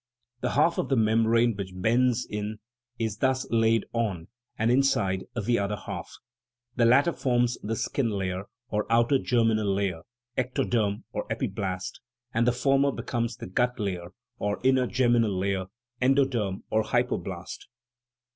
The half of the membrane which bends in is thus laid on, and inside, the other half; the latter forms the skin layer, or outer germinal layer (ectoderm or epiblast), and the former becomes the gut layer, or inner germinal layer (endoderm or hypoblast).